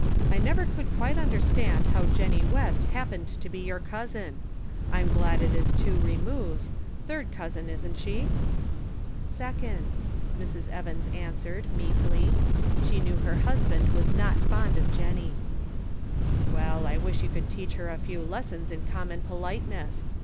I never could quite understand how Jennie West happened to be your cousin ! I'm glad it is two removes ; third cousin isn't she ?" "Second," Mrs. Evans answered, meekly. She knew her husband was not fond of Jennie. " Well, I wish you could teach her a few lessons in common politenes.